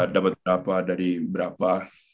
dapat berapa dari berapa